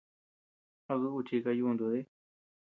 ¿A duʼu chika yuntu dí?